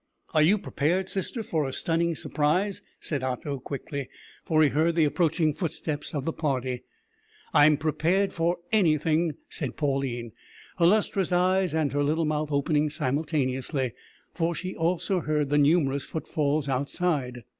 "Are you prepared, sister, for a stunning surprise?" said Otto, quickly, for he heard the approaching footsteps of the party. "I'm prepared for anything," said Pauline, her lustrous eyes and her little mouth opening simultaneously, for she also heard the numerous footfalls outside.